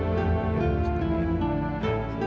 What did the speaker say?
nah lemons makanannya adalah